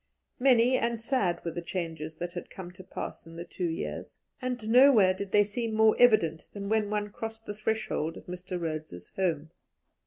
Many and sad were the changes that had come to pass in the two years, and nowhere did they seem more evident than when one crossed the threshold of Mr. Rhodes's home.